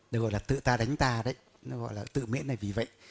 để gọi là tự ta đánh ta đấy nó gọi là tự miễn này vì vậy